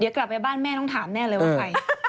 เดี๋ยวกลับไปบ้านแม่ต้องถามแน่เลยว่าใคร